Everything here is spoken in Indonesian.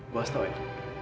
gue harus tau ya